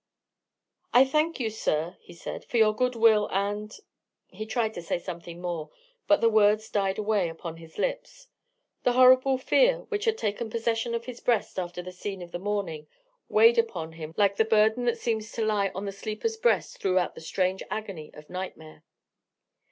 "I thank you, sir," he said, "for your good will, and——" He tried to say something more, but the words died away upon his lips. The horrible fear which had taken possession of his breast after the scene of the morning, weighed upon him like the burden that seems to lie upon the sleeper's breast throughout the strange agony of nightmare.